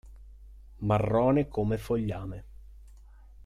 Marrone come fogliame.